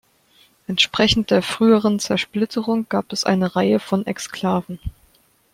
Entsprechend der früheren Zersplitterung gab es eine Reihe von Exklaven.